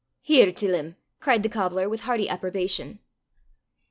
"Hear til him!" cried the cobbler, with hearty approbation.